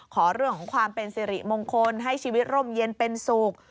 ขอเรื่องของความเป็นสิริมงคลให้ชีวิตร่มเย็นเป็นสุข